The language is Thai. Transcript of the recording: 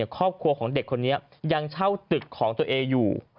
ครอบครัวของเด็กคนนี้ยังเช่าตึกของตัวเองอยู่